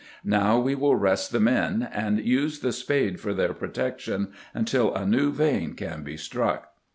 Now we will rest the men, and use the spade for their protection until a new vein can be struck.